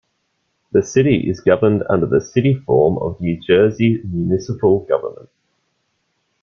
The city is governed under the City form of New Jersey municipal government.